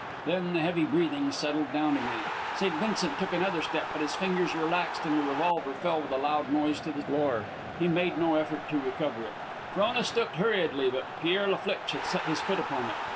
Then the heavy breathing settled down again. St. Vincent took another step, but his fingers relaxed and the revolver fell with a loud noise to the floor. He made no effort to recover it. Frona stooped hurriedly, but Pierre La Flitche had set his foot upon it.